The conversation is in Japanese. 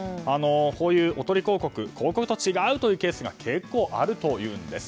こういうおとり広告広告と違うというケースが結構あるというんです。